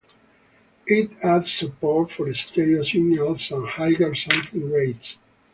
It adds support for stereo signals and higher sampling rates.